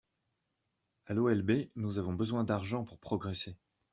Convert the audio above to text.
A l'OLB, nous avons besoin d'argent pour progresser.